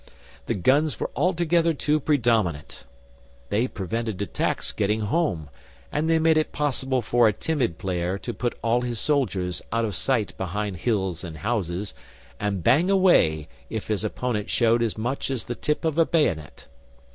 The guns were altogether too predominant. They prevented attacks getting home, and they made it possible for a timid player to put all his soldiers out of sight behind hills and houses, and bang away if his opponent showed as much as the tip of a bayonet.